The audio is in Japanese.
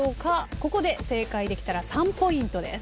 ここで正解できたら３ポイントです。